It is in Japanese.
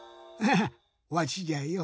わしじゃよ。